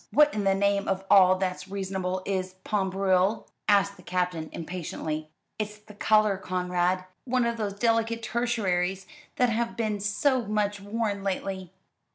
"What in the name of all that's reasonable is pain brûlé?" asked the Captain impatiently. "It's the colour, Conrad. One of those delicate tertiaries that have been so much worn lately."